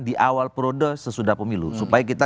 di awal periode sesudah pemilu supaya kita